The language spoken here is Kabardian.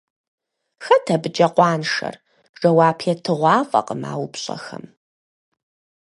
Хэт абыкӀэ къуаншэр? Жэуап етыгъуафӀэкъым а упщӀэхэм.